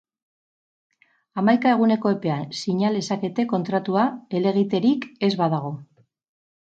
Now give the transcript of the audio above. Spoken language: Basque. Hamaika eguneko epean sina lezakete kontratua, helegiterik ez badago.